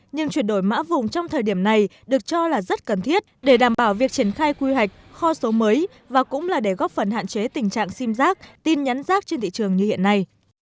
nhưng chuyển đổi mã vùng trong thời điểm này được cho là rất cần thiết để đảm bảo việc triển khai quy hoạch kho số mới và cũng là để góp phần hạn chế tình trạng sim giác tin nhắn rác trên thị trường như hiện nay